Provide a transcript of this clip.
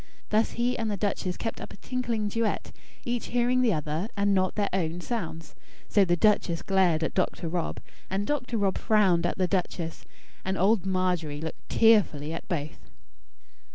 Thus he and the duchess kept up a tinkling duet, each hearing the other, and not their own sounds. So the duchess glared at Dr. Rob; and Dr. Rob frowned at the duchess; and old Margery looked tearfully at both.